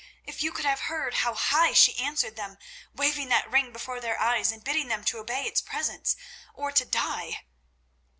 If you could have heard how high she answered them, waving that ring before their eyes and bidding them to obey its presence, or to die!"